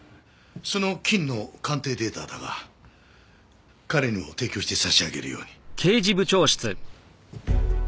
その菌の鑑定データだが彼にも提供して差し上げるように。